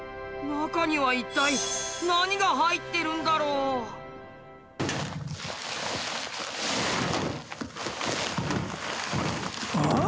中には一体何が入ってるんだろう？え？